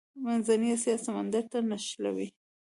منځنۍ اسیا سمندر ته نښلوي.